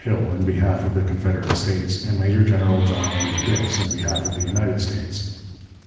Hill, in behalf of the Confederate States, and Major General John A. Dix, in behalf of the United States.